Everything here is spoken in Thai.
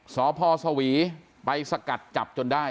สพสวีไปสกัดจับจนได้